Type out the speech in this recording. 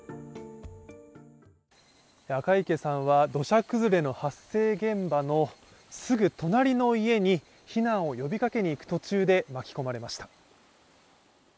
赤池さんは土砂崩れの発生現場のすぐ隣の家に避難を呼びかけにいく途中で巻き込まれました。